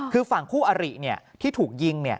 คือฝั่งคู่อริที่ถูกยิง